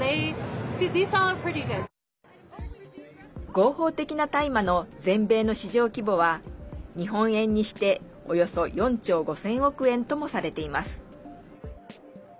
合法的な大麻の全米の市場規模は日本円にしておよそ４兆５０００億円ともされています。